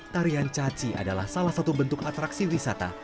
tarian caci adalah salah satu bentuk atraksi wisata